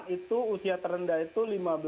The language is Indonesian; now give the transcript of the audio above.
dua puluh delapan itu usia terendah itu